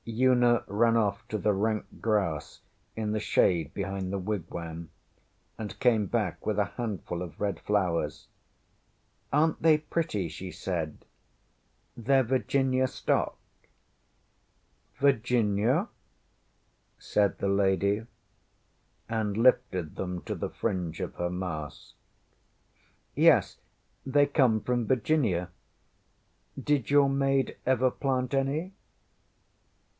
ŌĆÖ Una ran off to the rank grass in the shade behind the wigwam, and came back with a handful of red flowers. ŌĆśArenŌĆÖt they pretty? ŌĆÖ she said. ŌĆśTheyŌĆÖre Virginia stock. ŌĆÖ ŌĆśVirginia? ŌĆÖ said the lady, and lifted them to the fringe of her mask. ŌĆśYes. They come from Virginia. Did your maid ever plant any?